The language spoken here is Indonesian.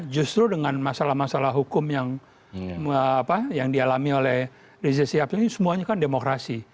karena masalah masalah hukum yang dialami oleh rizik siapting ini semuanya kan demokrasi